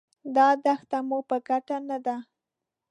دا دښته مو په ګټه نه ده.